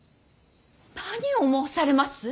何を申されます。